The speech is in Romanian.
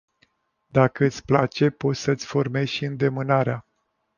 Dacă îți place, poti să îți formezi și îndemânarea.